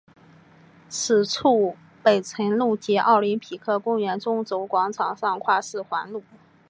此处北辰路及奥林匹克公园中轴广场上跨四环路。